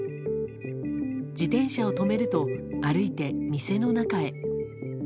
自転車を止めると歩いて店の中へ。